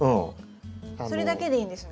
それだけでいいんですね。